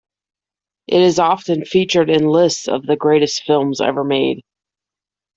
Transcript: It is often featured in lists of the greatest films ever made.